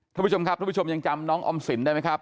ท่านผู้ชมครับท่านผู้ชมยังจำน้องออมสินได้ไหมครับ